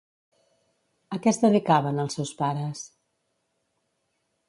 A què es dedicaven els seus pares?